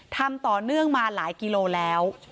ทำต่อเนื่องมาหลายกิโลแล้ว